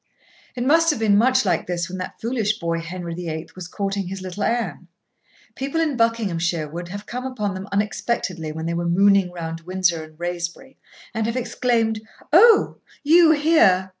It must have been much like this when that foolish boy Henry VIII. was courting his little Anne. People in Buckinghamshire would have come upon them unexpectedly when they were mooning round Windsor and Wraysbury, and have exclaimed, "Oh! you here!"